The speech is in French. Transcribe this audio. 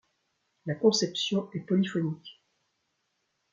La conception est polyphonique.